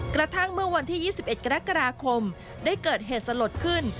กระทั่งเมื่อวันที่๒๑กรกฎาคมได้เกิดเหตุสลดขึ้น